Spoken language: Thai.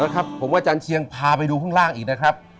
ครับผมว่าอาจารย์เชียงพาไปดูข้างล่างอีกนะครับ